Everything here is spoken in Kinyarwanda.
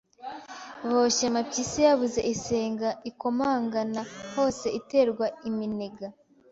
Boshye Mapyisi yabuze isenga ikomongana hose iterwa iminega